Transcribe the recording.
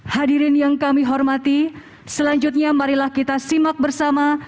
hadirin yang kami hormati selanjutnya marilah kita simak bersama